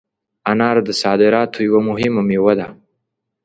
انار د صادراتو یوه مهمه مېوه ده.